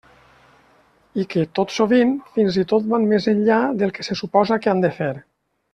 I que, tot sovint, fins i tot van més enllà del que se suposa que han de fer.